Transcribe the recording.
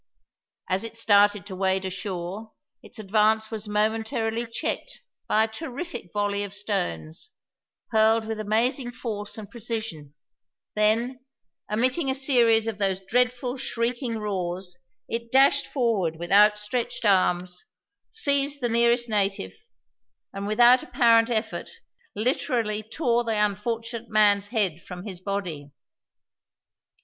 As it started to wade ashore its advance was momentarily checked by a terrific volley of stones, hurled with amazing force and precision; then, emitting a series of those dreadful, shrieking roars, it dashed forward with outstretched arms, seized the nearest native and, without apparent effort, literally tore the unfortunate man's head from his body.